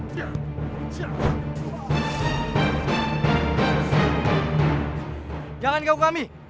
jangan ganggu kami